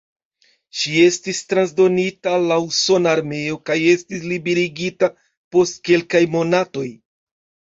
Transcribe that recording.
Ŝi estis transdonita al la usona armeo kaj estis liberigita post kelkaj monatoj.